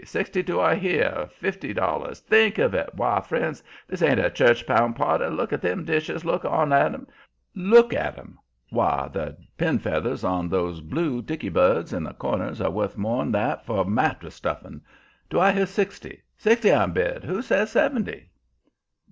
Sixty do I hear? Fifty dollars! THINK of it? Why, friends, this ain't a church pound party. Look at them dishes! LOOK at 'em! Why, the pin feathers on those blue dicky birds in the corners are worth more'n that for mattress stuffing. Do I hear sixty? Sixty I'm bid. Who says seventy?"